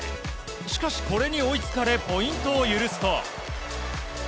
しかし、これに追いつかれポイントを許すと。